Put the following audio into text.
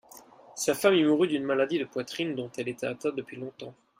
Sa femme y mourut d'une maladie de poitrine dont elle était atteinte depuis longtemps